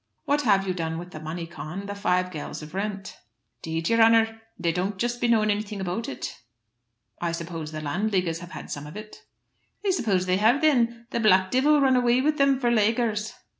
"What have you done with the money, Con, the five gales of rent?" "'Deed, yer honour, and I don't be just knowing anything about it." "I suppose the Landleaguers have had some of it." "I suppose they have, thin; the black divil run away with them for Laaguers!"